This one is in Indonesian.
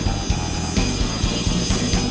kita beli sinil